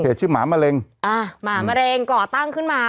ชื่อหมามะเร็งอ่าหมามะเร็งก่อตั้งขึ้นมา